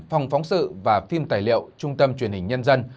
phòng phóng sự và phim tài liệu trung tâm truyền hình nhân dân